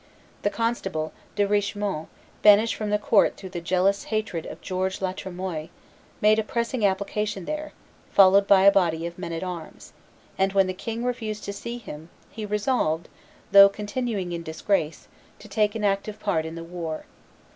The constable, De Richemont, banished from the court through the jealous hatred of George la Tremoille, made a pressing application there, followed by a body of men at arms; and, when the king refused to see him, he resolved, though continuing in disgrace, to take an active part in the war.